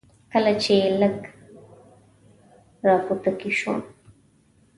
کله چې لږ را بوتکی شوم.